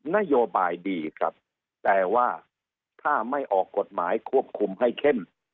นโยบายดีครับแต่ว่าถ้าไม่ออกกฎหมายควบคุมให้เข้ม